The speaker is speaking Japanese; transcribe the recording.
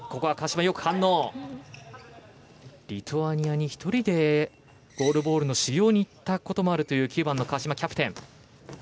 リトアニアに１人でゴールボールの修業に行ったことがあるという９番の川嶋、キャプテン。